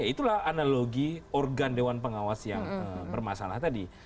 itulah analogi organ dewan pengawas yang bermasalah tadi